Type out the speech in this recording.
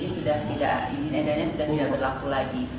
jadi izin edarnya sudah tidak berlaku lagi